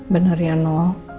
benar ya no